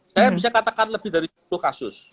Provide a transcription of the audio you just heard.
saya bisa katakan lebih dari sepuluh kasus